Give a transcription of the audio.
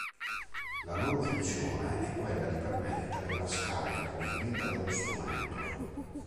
La loro funzione è quella di permettere la scarica completa dello strumento.